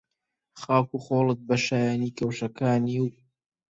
خاک و خۆڵت بە شایانی کەوشەکانی و